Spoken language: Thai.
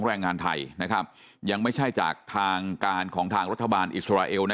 แรงงานไทยนะครับยังไม่ใช่จากทางการของทางรัฐบาลอิสราเอลนะ